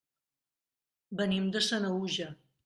Venim de Sanaüja.